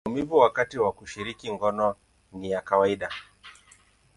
maumivu wakati wa kushiriki ngono ni ya kawaida.